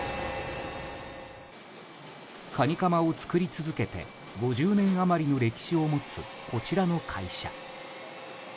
カニカマを作り続けて５０年余りの歴史を持つこちらの会社。